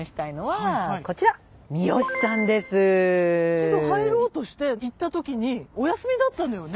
一度入ろうとして行ったときにお休みだったのよね。